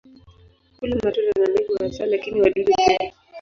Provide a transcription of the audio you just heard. Hula matunda na mbegu hasa, lakini wadudu pia.